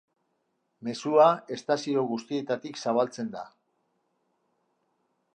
Mezua estazio guztietatik zabaltzen da.